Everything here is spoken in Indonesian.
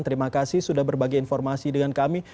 terima kasih sudah berbagi informasi dengan kami